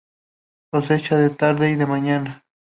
Cosecha de tarde y de mañana.